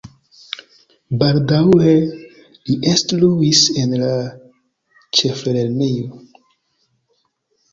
Baldaŭe li instruis en la ĉeflernejo.